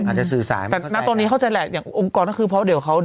อาจจะสื่อสารไปแต่ณตอนนี้เข้าใจแหละอย่างองค์กรก็คือเพราะเดี๋ยวเขา